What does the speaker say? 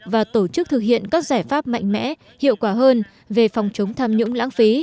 và tổ chức thực hiện các giải pháp mạnh mẽ hiệu quả hơn về phòng chống tham nhũng lãng phí